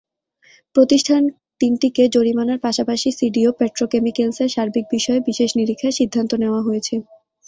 প্রতিষ্ঠান তিনটিকে জরিমানার পাশাপাশি সিভিও পেট্রোকেমিক্যালসের সার্বিক বিষয়ে বিশেষ নিরীক্ষার সিদ্ধান্ত নেওয়া হয়েছে।